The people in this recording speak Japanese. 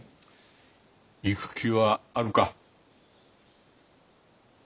行く気はあるか？